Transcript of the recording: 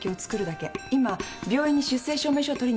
今病院に出生証明書を取りに行かせています。